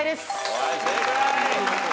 はい正解。